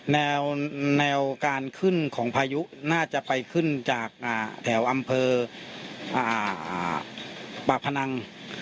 แนวการขึ้นของพายุน่าจะไปขึ้นจากแถวอำเภอปากพนัง